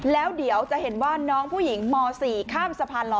แล้วเดี๋ยวจะเห็นว่าน้องผู้หญิงม๔ข้ามสะพานหล่อ